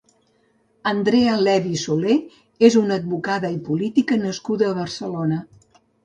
Andrea Levy Soler és una advocada i política nascuda a Barcelona.